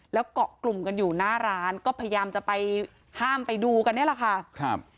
แล้วเกาะกลุ่มกันอยู่หน้าร้านก็พยายามจะไปห้ามไปดูกันนี่แหละค่ะครับ